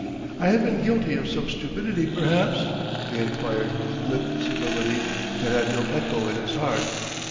"I have been guilty of some stupidity, perhaps?" he enquired with lip civility that had no echo in his heart.